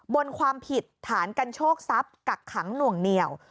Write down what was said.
บนความผิดฐานกันโชคทรัพย์กักขังหน่วงเหนียว